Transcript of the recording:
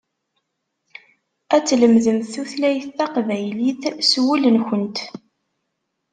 Ad tlemdemt tutlayt taqbaylit s wul-nkent.